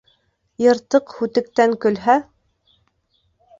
Йыртыҡ һүтектән көлһә.